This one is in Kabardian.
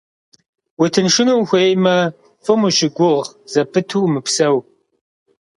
Утыншыну ухуеймэ, фӀым ущыгугъ зэпыту умыпсэу.